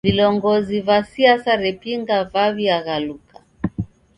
Vilongozi va siasa repinga vaw'iaghaluka.